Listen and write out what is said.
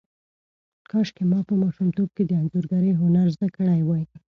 کاشکې ما په ماشومتوب کې د انځورګرۍ هنر زده کړی وای.